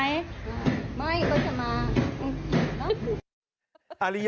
เหนื่อยอยากหยุดหยุดได้ไหม